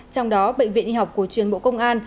trong đó bệnh viện y học cổ truyền bộ công an